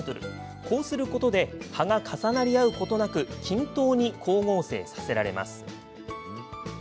こうすることで葉が重なり合うことなく均等に光合成させられます。